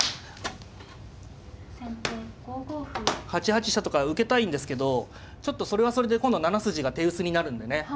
８八飛車とか受けたいんですけどちょっとそれはそれで今度は７筋が手薄になるんでね。